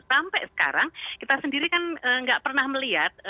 sampai sekarang kita sendiri kan nggak pernah melihat